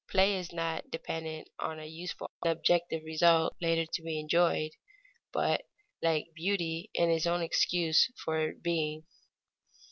Play is not dependent on a useful objective result later to be enjoyed, but, like beauty, is its own excuse for being.